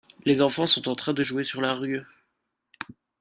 Les enfant sont en train de jouer sur la rue.